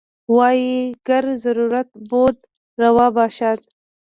وايي ګر ضرورت بود روا باشد.